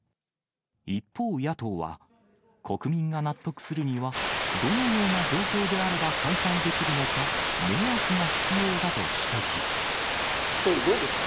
一方、野党は、国民が納得するには、どのような状況であれば開催できるのか、総理、どうですか。